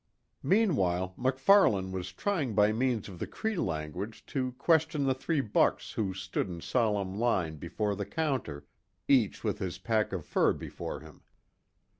Meanwhile MacFarlane was trying by means of the Cree language to question the three bucks who stood in solemn line before the counter, each with his pack of fur before him.